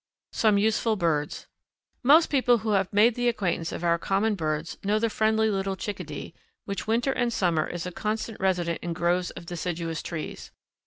Some Useful Birds. Most people who have made the acquaintance of our common birds know the friendly little Chickadee, which winter and summer is a constant resident in groves of deciduous trees.